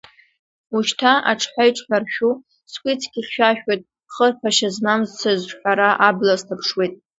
Ушьҭа аҽҳәа иҽҳәаршәу скәицгьы хьшәашәоит, хырԥашьа змам сыҿҳәара абла сҭаԥшуеит.